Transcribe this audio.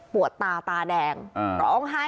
ตาตาแดงร้องไห้